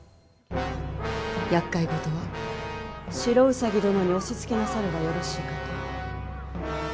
やっかいごとは白兎殿に押しつけなさるがよろしいかと。